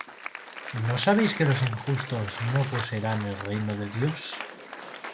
¿No sabéis que los injustos no poseerán el reino de Dios?